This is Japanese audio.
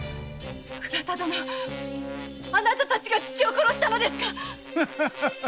倉田殿あなたたちが父を殺したのですか！